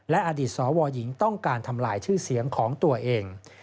และอดีตสวหญิงต้องการทำลายชื่อเสียงของตัวเอง